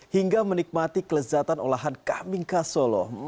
hingga menikmati kelezatan olahan kamingka solo